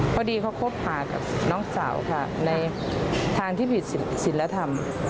พอดีเค้าคบถามกับน้องสาวในทางผิดศิลธรรม